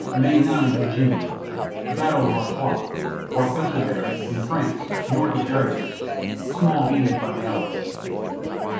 May 9 June Battle of Artois, or Festubert (in France, north of Arras). Small gains by the Allies.